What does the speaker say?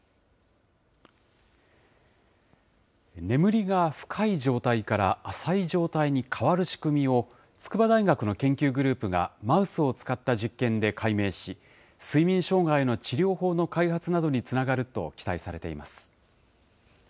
眠りが深い状態から浅い状態に変わる仕組みを、筑波大学の研究グループが、マウスを使った実験で解明し、睡眠障害の治療法の開発などにつながると期待されています。